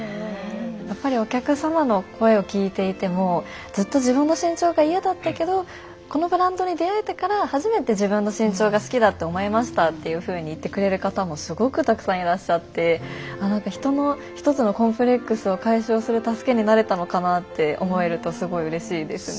やっぱりお客様の声を聞いていてもずっと自分の身長が嫌だったけどこのブランドに出会えてから初めて自分の身長が好きだって思えましたっていうふうに言ってくれる方もすごくたくさんいらっしゃってあ何か人の一つのコンプレックスを解消する助けになれたのかなって思えるとすごいうれしいですね。